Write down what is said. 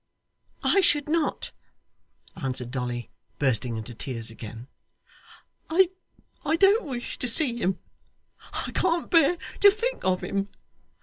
'I should not,' answered Dolly, bursting into tears again. 'I don't wish to see him. I can't bear to think of him.